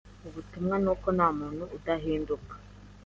Ubutumwa n’uko nta muntu utahinduka